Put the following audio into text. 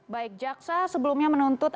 baik jaksa sebelumnya menuntut